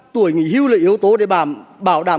tuổi nghỉ hưu là yếu tố để bảo đảm